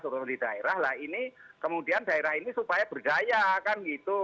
terutama di daerah lah ini kemudian daerah ini supaya berdaya kan gitu